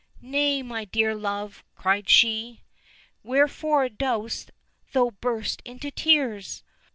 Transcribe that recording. " Nay, my dear love," cried she, '' wherefore dost thou burst into tears